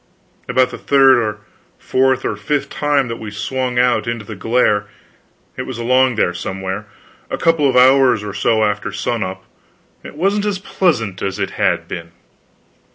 About the third or fourth or fifth time that we swung out into the glare it was along there somewhere, a couple of hours or so after sun up it wasn't as pleasant as it had been.